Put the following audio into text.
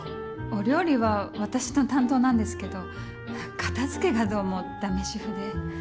お料理は私の担当なんですけど片付けがどうもだめ主婦で。